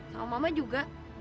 sama mama juga